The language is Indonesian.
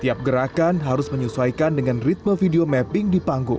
setiap gerakan harus menyesuaikan dengan ritme video mapping di panggung